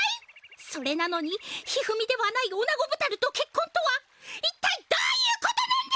それなのに一二三ではないオナゴボタルとけっこんとはいったいどういうことなんだ！？